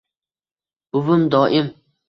buvim doim: